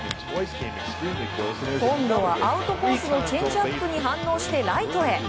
今度はアウトコースのチェンジアップに反応してライトへ。